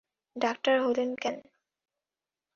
Doctor হলেন কেন?